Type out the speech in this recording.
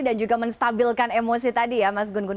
dan juga menstabilkan emosi tadi ya mas gun gun